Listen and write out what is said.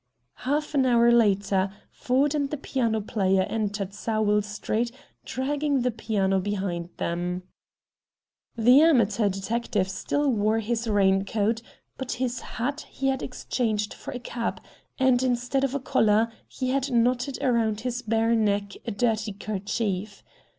Half an hour later, Ford and the piano player entered Sowell Street dragging the piano behind them. The amateur detective still wore his rain coat, but his hat he had exchanged for a cap, and, instead of a collar, he had knotted around his bare neck a dirty kerchief.